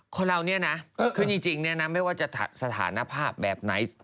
คือเรานี่นะคือจริงไม่ว่าจะสถานะภาพแบบไหน